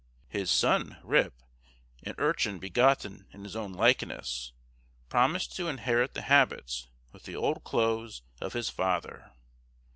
His son Rip, an urchin begotten in his own likeness, promised to inherit the habits, with the old clothes, of his father.